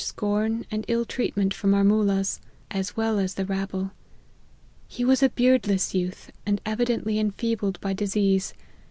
105 scorn and ill treatment from our moollahs, as well as the rabble. He was a beardless youth, and evi dently enfeebled by disease.